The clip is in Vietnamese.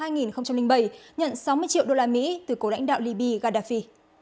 nhận sáu mươi triệu đô la mỹ từ cổ lãnh đạo libby gaddafi